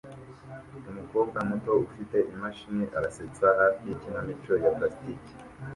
Umukobwa muto ufite imashini arasetsa hafi yikinamico ya plastike